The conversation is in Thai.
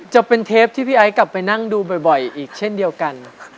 จะเป็นเทปที่พี่ไอ้กลับไปนั่งดูบ่อยอีกเช่นเดียวกัน